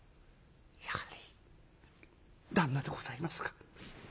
「やはり旦那でございますか。